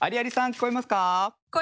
聞こえます。